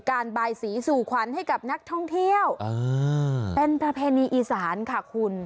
บายสีสู่ขวัญให้กับนักท่องเที่ยวเป็นประเพณีอีสานค่ะคุณ